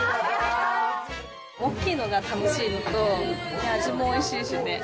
大きいのが楽しいのと、味もおいしいしね。